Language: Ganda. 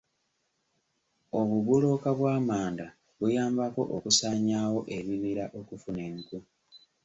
Obubulooka bw'amanda buyambako okusaanyaawo ebibira okufuna enku.